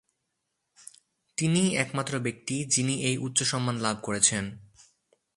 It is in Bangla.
তিনিই একমাত্র ব্যক্তি যিনি এই উচ্চ সম্মান লাভ করেছেন।